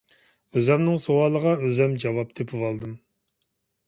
ئۆزۈمنىڭ سوئالىغا ئۆزۈم جاۋاب تېپىۋالدىم.